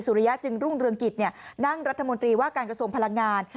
ริยะจึงรุ่งเรืองกิจนั่งรัฐมนตรีว่าการกระทรวงพลังงาน